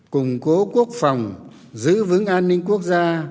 củng cố quốc phòng giữ vững an ninh quốc gia